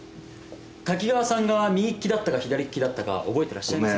滝川さんが右利きだったか左利きだったか覚えていらっしゃいませんか？